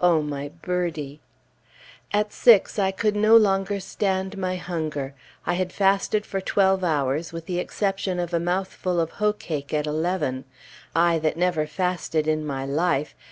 Oh, my birdie! At six, I could no longer stand my hunger. I had fasted for twelve hours, with the exception of a mouthful of hoe cake at eleven; I that never fasted in my life!